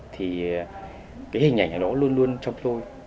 thì cái hình ảnh đó luôn luôn trong tôi